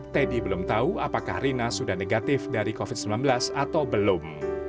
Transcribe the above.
teddy belum tahu apakah rina sudah negatif dari covid sembilan belas atau belum